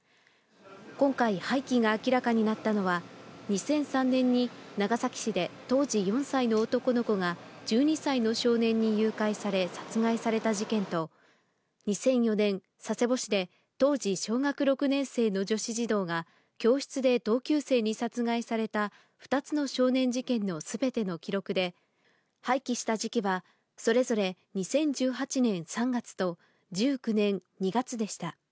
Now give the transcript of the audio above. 今回、廃棄が明らかになったのは、２００３年に長崎市で当時４歳の男の子が１２歳の少年に誘拐され、殺害された事件と、２００４年、佐世保市で当時小学６年生の女子児童が教室で同級生に殺害された２つの少年事件のすべての記録で、廃棄した時期はそれぞれ２０１８年３月と、１９年２月でした。